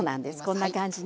こんな感じね。